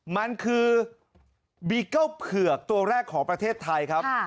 มันคือบีเกิ้ลเผือกตัวแรกของประเทศไทยครับ